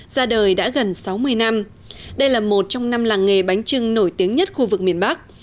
ra đời đã gần sáu mươi năm đây là một trong năm làng nghề bánh trưng nổi tiếng nhất khu vực miền bắc